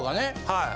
はい。